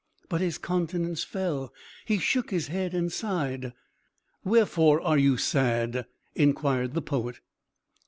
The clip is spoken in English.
But his countenance fell; he shook his head, and sighed. "Wherefore are you sad?" inquired the poet.